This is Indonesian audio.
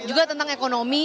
juga tentang ekonomi